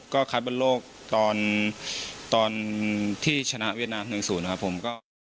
ก็คัดบ่อโลกตอนตอนที่ชนะเวียดนามหนึ่งศูนย์นะครับผม